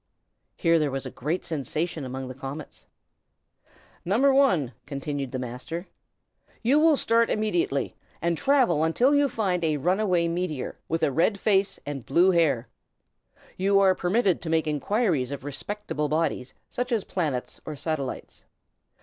Here there was a great sensation among the comets. "No. 1," continued the Master, "you will start immediately, and travel until you find a runaway meteor, with a red face and blue hair. You are permitted to make inquiries of respectable bodies, such as planets or satellites.